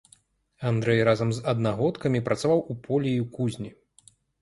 Андрэй разам з аднагодкамі працаваў у полі і ў кузні.